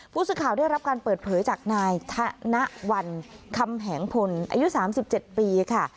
ผู้สืบข่าวได้รับการเปิดเผยจากนายถ๊ะนะหวั่นค่ำแหงพลอายุสามสิบเจ็ดปีค่ะ